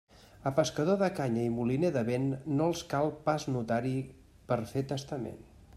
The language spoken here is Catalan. A pescador de canya i moliner de vent, no els cal pas notari per fer testament.